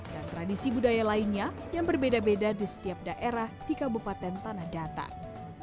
dan tradisi budaya lainnya yang berbeda beda di setiap daerah di kabupaten tanah datar